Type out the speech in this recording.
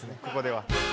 ここでは。